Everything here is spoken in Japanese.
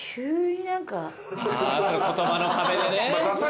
言葉の壁でね。